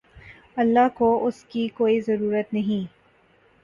اللہ کو اس کی کوئی ضرورت نہیں